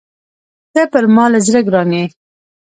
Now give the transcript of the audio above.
ته پر ما له زړه ګران يې!